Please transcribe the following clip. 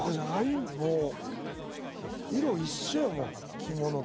色一緒やもう着物と。